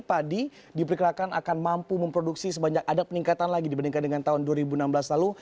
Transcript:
padi diperkirakan akan mampu memproduksi sebanyak ada peningkatan lagi dibandingkan dengan tahun dua ribu enam belas lalu